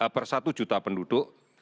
per satu juta penduduk